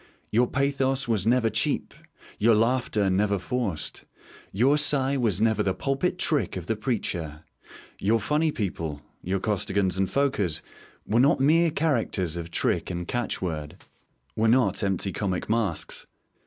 Your pathos was never cheap, your laughter never forced; your sigh was never the pulpit trick of the preacher. Your funny people your Costigans and Fokers were not mere characters of trick and catch word, were not empty comic masks.